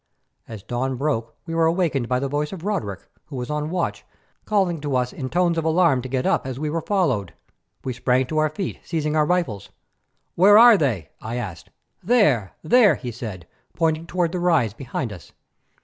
As dawn broke we were awakened by the voice of Roderick, who was on watch, calling to us in tones of alarm to get up, as we were followed. We sprang to our feet, seizing our rifles. "Where are they?" I asked. "There, there," he said, pointing toward the rise behind us.